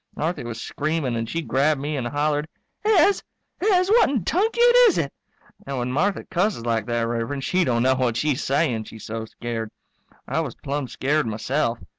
Marthy was screaming and she grabbed me and hollered, "Hez! Hez, what in tunket is it?" And when Marthy cusses like that, Rev'rend, she don't know what she's saying, she's so scared. I was plumb scared myself.